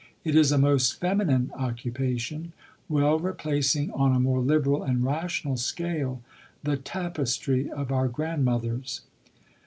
It is a most feminine occupation, well replacing, on a more liberal and rational scale, the tapestry o^ our grandmothers.